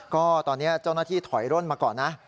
ก็ตอนนี้เจ้าหน้าที่ถอยร่นมาก่อนนะ